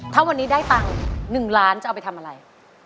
ถ้าวันนี้ได้ตังค์๑ล้านจะเอาไปทำอะไร